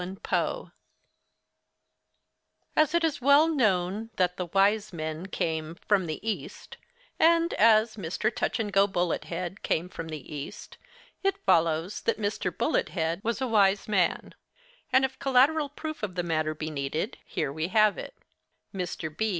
X ING A PARAGRAB As it is well known that the 'wise men' came 'from the East,' and as Mr. Touch and go Bullet head came from the East, it follows that Mr. Bullet head was a wise man; and if collateral proof of the matter be needed, here we have it—Mr. B.